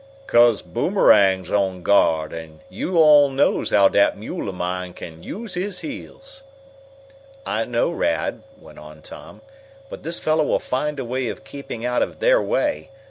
"'Cause Boomerang's on guard, an' yo' all knows how dat mule of mine can use his heels!" "I know, Rad," went on Tom; "but this fellow will find a way of keeping out of their way.